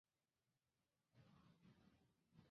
创始人之一刘韧出任千橡互动集团副总裁。